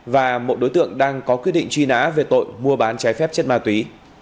và một đối tượng đang có quyết định truy nã về tội mua bán trái phép chất ma túy